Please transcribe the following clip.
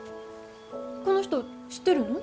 この人知ってるの？